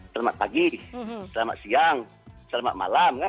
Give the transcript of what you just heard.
selamat pagi selamat siang selamat malam